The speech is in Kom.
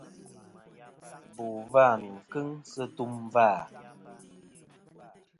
Bò vâ nɨn kɨŋ sɨ tum vâ.